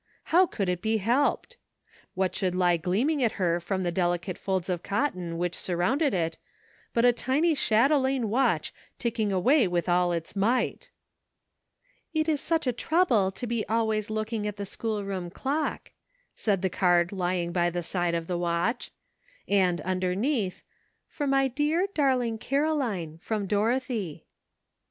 How could it be helped? What should lie gleaming at her from the delicate folds of cotton which surrounded it, but a tiny chatelaine watch ticking away with all its might ! "It is such a trouble to be always looking at the schoolroom clock," said the card lying by the side of the watch; and underneath: "For my dear, darling Caroline, from Dorothy."